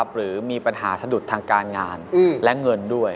หรือมีปัญหาสะดุดทางการงานและเงินด้วย